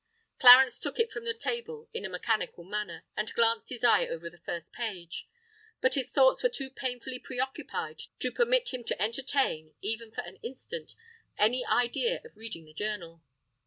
Clarence took it from the table in a mechanical manner and glanced his eye over the first page: but his thoughts were too painfully pre occupied to permit him to entertain, even for an instant, any idea of reading the journal.